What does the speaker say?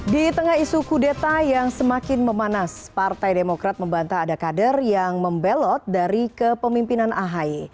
di tengah isu kudeta yang semakin memanas partai demokrat membantah ada kader yang membelot dari kepemimpinan ahy